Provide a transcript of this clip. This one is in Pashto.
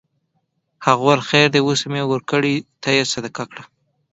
هغه وویل خیر دی اوس مې ورکړې ته یې صدقه کړه.